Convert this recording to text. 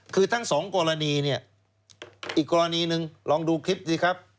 คือทั้ง๒กรณีอีกกรณีนึงลองดูคลิปสิครับ